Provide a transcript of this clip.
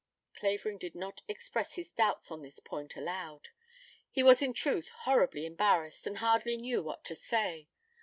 Clavering did not express his doubts on this point aloud. He was in truth horribly embarrassed and hardly knew what to say.